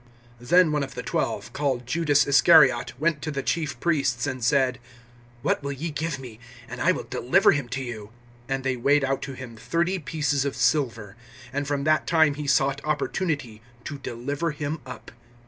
(14)Then one of the twelve, called Judas Iscariot, went to the chief priests, (15)and said: What will ye give me, and I will deliver him to you? And they weighed out to him thirty pieces of silver. (16)And from that time he sought opportunity to deliver him up.